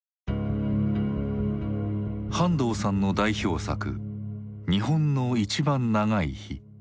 半藤さんの代表作「日本のいちばん長い日」。